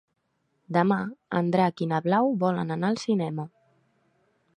Demà en Drac i na Blau volen anar al cinema.